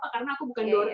karena aku bukan di orna